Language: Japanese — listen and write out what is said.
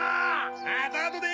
またあとで！